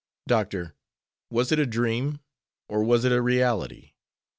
Doctor, was it a dream, or was it a reality?